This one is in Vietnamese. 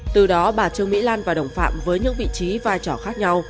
từ đó bà trương mỹ lan và đồng phạm với những vị trí vai trò khác nhau